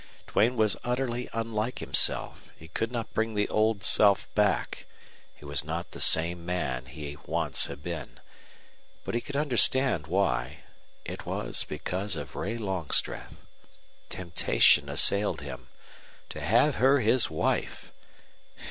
Duane was utterly unlike himself; he could not bring the old self back; he was not the same man he once had been. But he could understand why. It was because of Ray Longstreth. Temptation assailed him. To have her his wife!